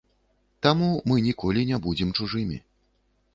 Таму мы ніколі не будзем чужымі.